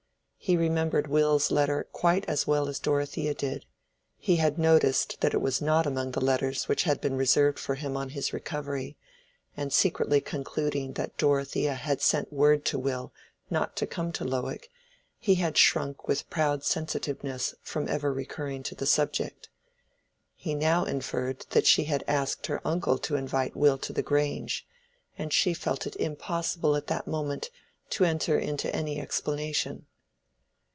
He remembered Will's letter quite as well as Dorothea did; he had noticed that it was not among the letters which had been reserved for him on his recovery, and secretly concluding that Dorothea had sent word to Will not to come to Lowick, he had shrunk with proud sensitiveness from ever recurring to the subject. He now inferred that she had asked her uncle to invite Will to the Grange; and she felt it impossible at that moment to enter into any explanation.